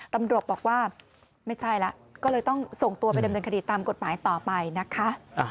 ตำรวจบอกว่าไม่ใช่แล้วก็เลยต้องส่งตัวไปดำเนินคดีตามกฎหมายต่อไปนะคะ